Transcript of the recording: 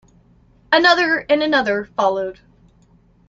Another and another followed.